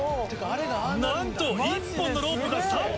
なんと１本のロープが３本に！